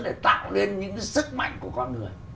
để tạo nên những sức mạnh của con người